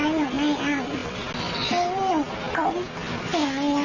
ลูกผู้ชมใช้เหตุการณ์ยังไม่เหลือด้วยตัวเข้าใจ